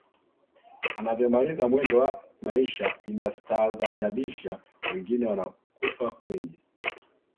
anavyomaliza mwendo wa maisha inastaadhajabisha wengine wanakufa kwenye